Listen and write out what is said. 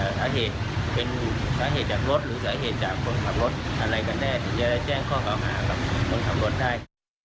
ที่จะแจ้งความเอาผิดกับคนขับรถได้